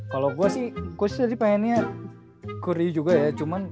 kalau gue sih gue sih tadi pengennya curry juga ya